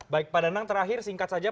baik pak danang terakhir singkat saja